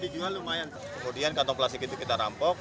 kemudian kantong plastik itu kita rampok